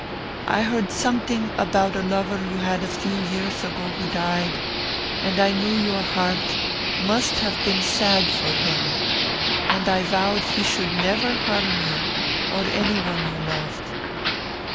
I heard something about a lover you had a few years ago who died, and I knew your heart must have been sad for him, and I vowed he should never harm you or any one you loved."